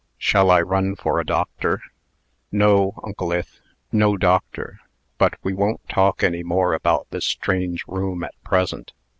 "Shall I run for a doctor?" "No, Uncle Ith; no doctor. But we won't talk any more about this strange room at present.